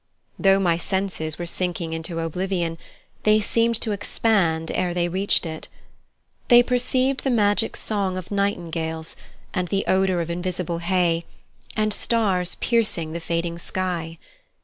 Though my senses were sinking into oblivion, they seemed to expand ere they reached it. They perceived the magic song of nightingales, and the odour of invisible hay, and stars piercing the fading sky.